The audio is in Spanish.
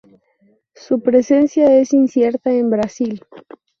Su presencia es incierta en Brasil.